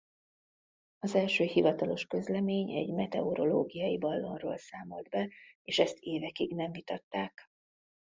Az első hivatalos közlemény egy meteorológiai ballonról számolt be és ezt évekig nem vitatták.